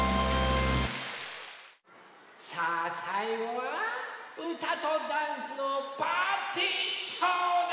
さあさいごはうたとダンスのパーティーショーだ！